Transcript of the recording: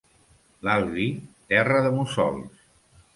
L'Albi, terra de mussols.